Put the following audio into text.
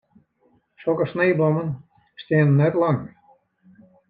Sokke snijblommen steane net lang.